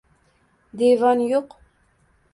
Devon yo’q.